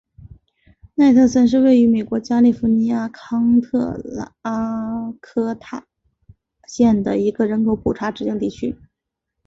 奈特森是位于美国加利福尼亚州康特拉科斯塔县的一个人口普查指定地区。